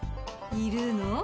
いるの？